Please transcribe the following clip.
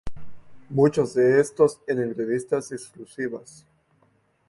Muchos de estos en entrevistas exclusivas.